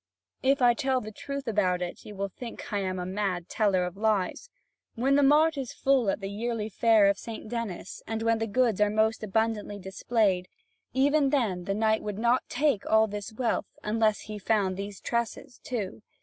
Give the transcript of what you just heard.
If I tell the truth about it, you will think I am a mad teller of lies. When the mart is full at the yearly fair of St. Denis, and when the goods are most abundantly displayed, even then the knight would not take all this wealth, unless he had found these tresses too.